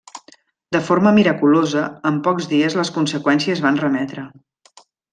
De forma miraculosa, en pocs dies les conseqüències van remetre.